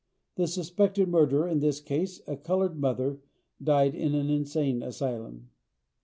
The suspected murderer, in this case, a colored mother, died in an insane asylum.